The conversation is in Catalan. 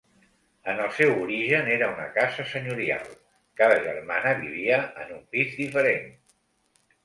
En el seu origen era una casa senyorial, cada germana vivia en un pis diferent.